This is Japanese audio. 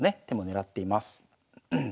手も狙っています。